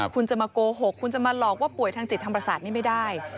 คุณจะมาโกหกคุณจะมาหลอกว่าป่วยทางจิตทางประสาทนี่ไม่ได้